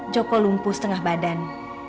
joko lumpuh setengah badan